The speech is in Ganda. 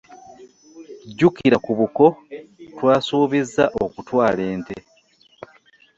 Jjukira ku buko twasuubiza okutwala ente.